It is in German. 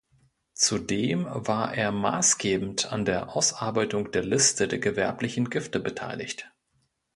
Zudem war er massgebend an der "Ausarbeitung der Liste der gewerblichen Gifte" beteiligt.